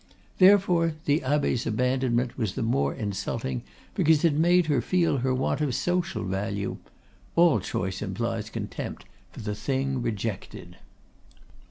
Therefore the abbe's abandonment was the more insulting, because it made her feel her want of social value; all choice implies contempt for the thing rejected.